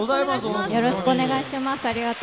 よろしくお願いします。